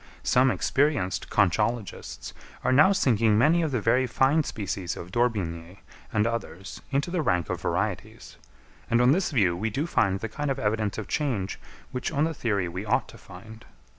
Some experienced conchologists are now sinking many of the very fine species of D'Orbigny and others into the rank of varieties; and on this view we do find the kind of evidence of change which on the theory we ought to find.